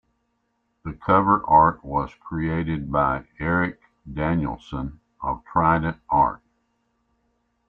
The cover art was created by Erik Danielsson of Trident Art.